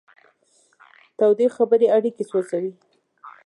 تودې خبرې اړیکې سوځوي.